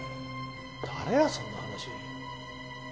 誰がそんな話。